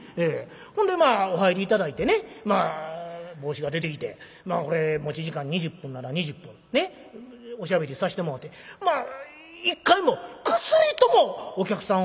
ほんでまあお入り頂いてね坊枝が出てきてこれ持ち時間２０分なら２０分ねおしゃべりさしてもうてまあ一回もくすりともお客さんを笑わすことがなくてもですよ